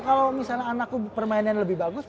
kalau misalnya anakku permainannya lebih bagus